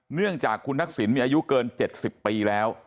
เนื่องจากคุณทักษิณมีอายุเกิน๗๐ปีแล้ว